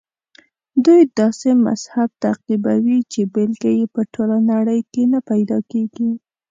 دوی داسې مذهب تعقیبوي چې بېلګه یې په ټوله نړۍ کې نه پیدا کېږي.